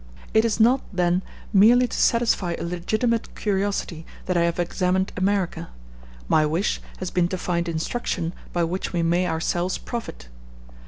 It is not, then, merely to satisfy a legitimate curiosity that I have examined America; my wish has been to find instruction by which we may ourselves profit.